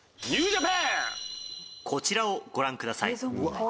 「こちらをご覧ください」